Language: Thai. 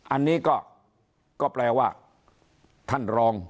อันนี้ก็แปลว่าท่านรอง